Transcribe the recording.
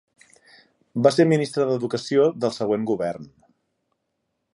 Va ser ministre d'Educació del següent govern.